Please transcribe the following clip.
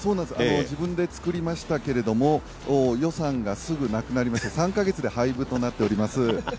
自分で作りましたけれども予算がすぐなくなりまして３か月で廃部となっております。